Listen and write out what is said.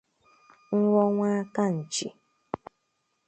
nrọ nwakanchi”